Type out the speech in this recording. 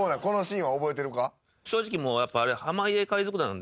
正直もうやっぱ。